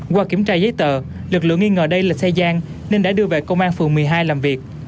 qua kiểm tra giấy tờ lực lượng nghi ngờ đây là xe gian nên đã đưa về công an phường một mươi hai làm việc